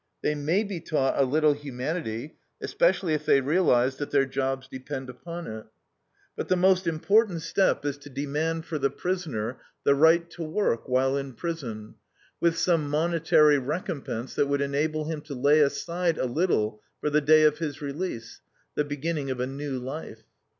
They may be taught a little humanity, especially if they realize that their jobs depend upon it. But the most important step is to demand for the prisoner the right to work while in prison, with some monetary recompense that would enable him to lay aside a little for the day of his release, the beginning of a new life.